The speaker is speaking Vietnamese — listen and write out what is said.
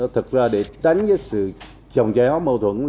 thực ra để tránh sự chồng chéo mâu thuẫn